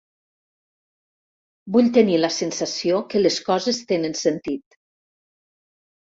Vull tenir la sensació que les coses tenen sentit.